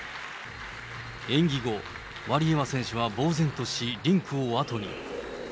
演技後、ワリエワ選手はぼう然とし、リンクをあとに。